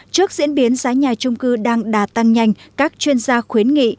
trước diễn biến giá nhà trung cư đang đà tăng nhanh các chuyên gia khuyến nghị